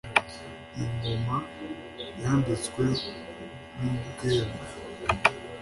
n’ingoma yambitswe n’ubwema